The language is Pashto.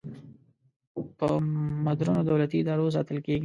په مدرنو دولتي ادارو ساتل کیږي.